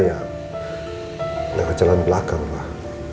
ya dengan jalan belakang pak